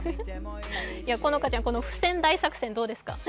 好花ちゃん、この付箋大作戦どうですか？